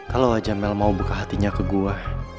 kalo aja mel mau buka hatinya ke gue